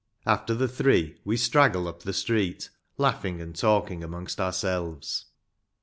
After the three we straggle up the street, laughing and talking amongst ourselves.